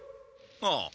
ああ。